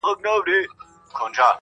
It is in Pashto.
نن دي جهاني غزل ته نوی رنګ ورکړی دی؛